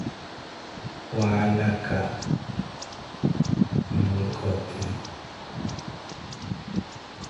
Waalaca mwi eKoty